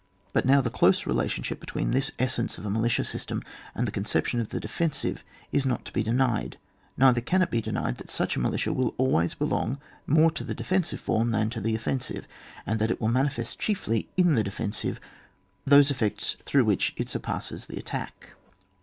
But now the close relationship between this essence of a militia system, and the conception of the defensive, is not to be denied, neither can it be denied that such a militia will always belong more to the defensive form than to the offensive, and that it will manifest chiefly in the defen sive, those effects through which it sur passes the attack.